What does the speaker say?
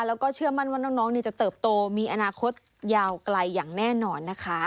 แล้วก็เชื่อมั่นว่าน้องจะเติบโตมีอนาคตยาวไกลอย่างแน่นอนนะคะ